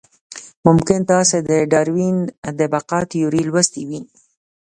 ممکن تاسې د داروېن د بقا تیوري لوستې وي.